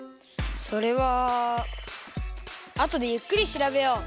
それはあとでゆっくりしらべよう。